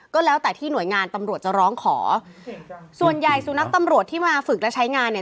ก็แล้วแต่ที่หน่วยงานตำรวจจะร้องขอส่วนใหญ่สุนัขตำรวจที่มาฝึกและใช้งานเนี่ย